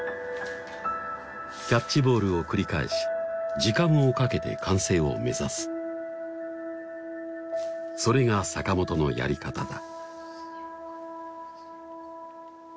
キャッチボールを繰り返し時間をかけて完成を目指すそれが坂本のやり方だ